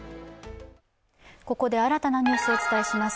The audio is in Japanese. ここで新たなニュースをお伝えします。